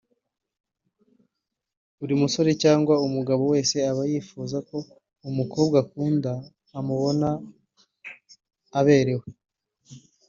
Buri musore cyangwa umugabo wese aba yifuza ko umukobwa akunda amubona aberewe